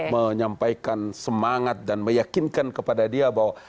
menyampaikan semangat dan meyakinkan kepada dia bahwa